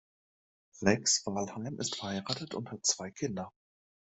Rex Walheim ist verheiratet und hat zwei Kinder.